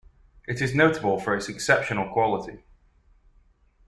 It is notable for its exceptional quality.